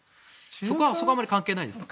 そこはあまり関係ないですか？